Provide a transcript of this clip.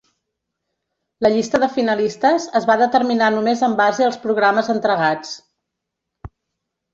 La llista de finalistes es va determinar només en base als programes entregats.